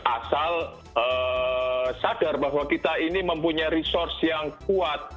asal sadar bahwa kita ini mempunyai resource yang kuat